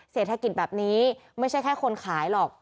เศรษฐกิจแบบนี้ไม่ใช่แค่คนขายหรอก